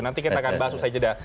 nanti kita akan bahas usai jeda